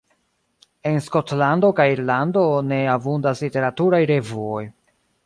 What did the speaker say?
En Skotlando kaj Irlando ne abundas literaturaj revuoj.